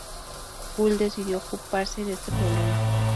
Gould decidió ocuparse de este problema.